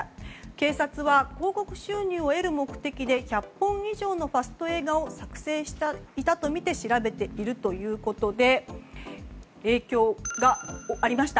警察は広告収入を得る目的で１００本以上のファスト映画を作成していたとみて調べているということで影響がありました。